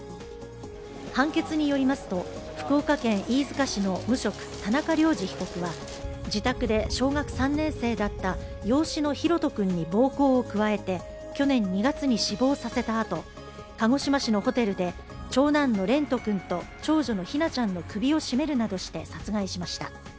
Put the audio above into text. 判決によりますと福岡県飯塚市の無職、田中涼二被告は自宅で小学３年生だった養子の大翔君に暴行を加えて去年２月に死亡させたあと、鹿児島市のホテルで長男の蓮斗君と長女の姫奈ちゃんの首を絞めるなどして殺害しました。